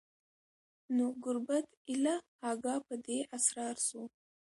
نو ګوربت ایله آګاه په دې اسرار سو